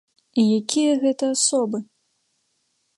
І якія гэта асобы!